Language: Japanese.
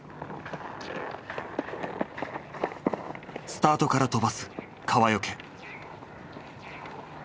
スタートから飛ばす川除。